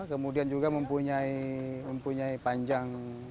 kemudian juga mempunyai panjang